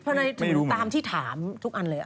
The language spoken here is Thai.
ทำไมถึงตามที่ถามทุกอันเลย